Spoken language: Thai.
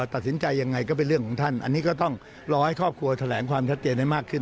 ตัดสินใจยังไงก็เป็นเรื่องของท่านอันนี้ก็ต้องรอให้ครอบครัวแถลงความชัดเจนให้มากขึ้น